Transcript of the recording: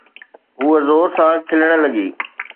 هوءَ زور سان کلڻ لڳي.